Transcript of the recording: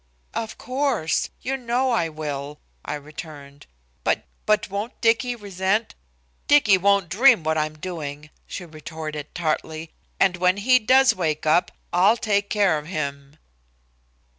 "Of course. You know I will," I returned. "But won't Dicky resent " "Dicky won't dream what I'm doing," she retorted tartly, "and when he does wake up I'll take care of him."